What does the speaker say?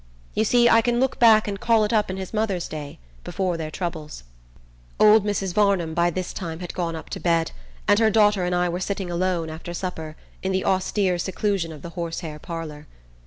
You see, I can look back and call it up in his mother's day, before their troubles." Old Mrs. Varnum, by this time, had gone up to bed, and her daughter and I were sitting alone, after supper, in the austere seclusion of the horse hair parlour.